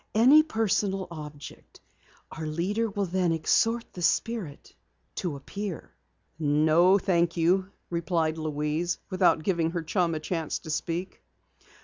Any personal object. Our leader will then exhort the spirit to appear." "No, thank you," replied Louise, without giving her chum a chance to speak.